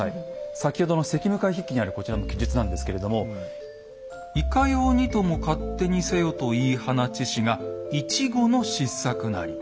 先ほどの「昔夢会筆記」にあるこちらの記述なんですけれども「『いかようにとも勝手にせよ』と言い放ちしが一期の失策なり」。